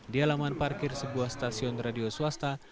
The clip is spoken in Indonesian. di alaman parkir sebuah stasiun radio swasta